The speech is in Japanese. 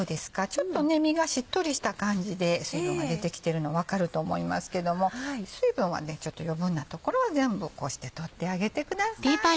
ちょっと身がしっとりした感じで水分が出てきてるの分かると思いますけども水分はちょっと余分な所は全部こうして取ってあげてください。